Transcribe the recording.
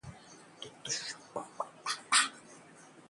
चिदंबरम की टिप्पणी से ‘आर्ट ऑफ लीविंग’ हताश